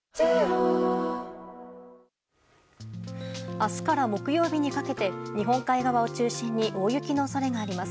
明日から木曜日にかけて日本海側を中心に大雪の恐れがあります。